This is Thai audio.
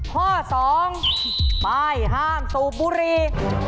ข้อ๒ป้ายห้ามสูบบุรี